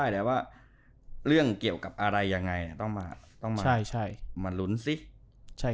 แต่ว่าเรื่องเกี่ยวกับอะไรยังไงต้องมารุ้นซิ